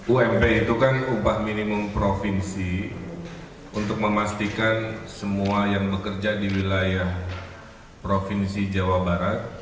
ump itu kan upah minimum provinsi untuk memastikan semua yang bekerja di wilayah provinsi jawa barat